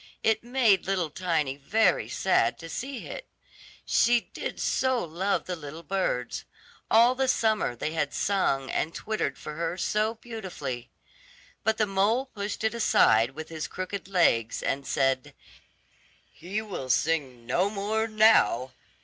It made little Tiny very sad to see it, she did so love the little birds; all the summer they had sung and twittered for her so beautifully. But the mole pushed it aside with his crooked legs, and said, "He will sing no more now.